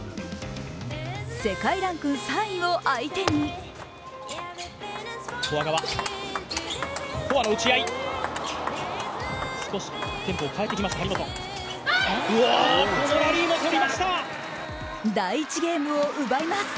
世界ランク３位を相手に第１ゲームを奪います。